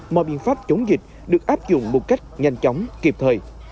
mọi biện pháp chống dịch được áp dụng một cách nhanh chóng kịp thời